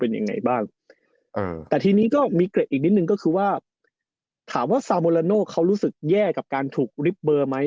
เป็นยังไงบ้างอ่าแต่ทีนี้ก็มีเกร็ดอีกนิดนึงก็คือว่าถามว่าซาโมลาโน่เขารู้สึกแย่กับการถูกริบเบอร์ไหม